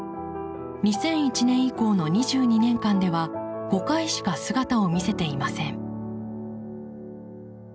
２００１年以降の２２年間では５回しか姿を見せていません。